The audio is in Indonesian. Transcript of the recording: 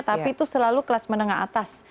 tapi itu selalu kelas menengah atas